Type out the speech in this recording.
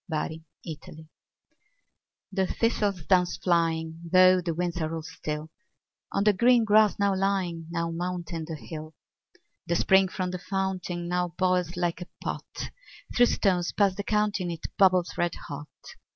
Autumn The thistle down's flying, though the winds are all still, On the green grass now lying, now mounting the hill, The spring from the fountain now boils like a pot; Through stones past the counting it bubbles red hot.